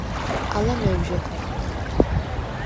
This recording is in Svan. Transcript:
ალა მევჟე ხოხახ.